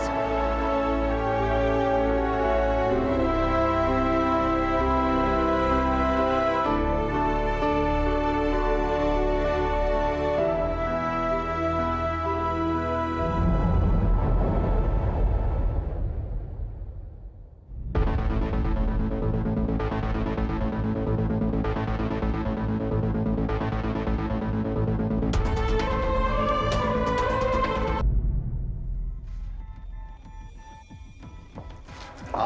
yuk kita masuk